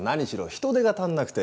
人手が足んなくて。